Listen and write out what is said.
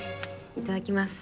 いただきます。